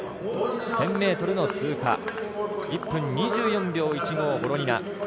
１０００ｍの通過１分２４秒１５ボロニナ。